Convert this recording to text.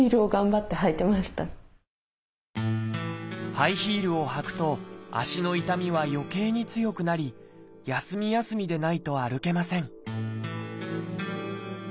ハイヒールを履くと足の痛みはよけいに強くなり休み休みでないと歩けません